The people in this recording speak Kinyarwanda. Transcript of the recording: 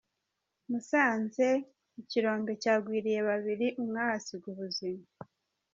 Musanze Ikirombe cyagwiriye babiri umwe ahasiga ubuzima